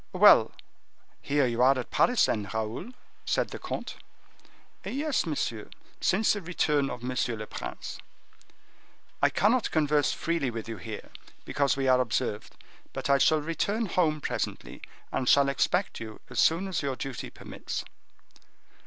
"Well, here you are at Paris, then, Raoul?" said the comte. "Yes, monsieur, since the return of M. le Prince." "I cannot converse freely with you here, because we are observed; but I shall return home presently, and shall expect you as soon as your duty permits."